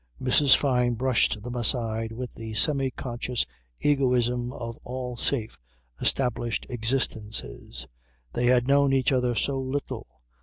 Mrs. Fyne brushed them aside, with the semi conscious egoism of all safe, established, existences. They had known each other so little.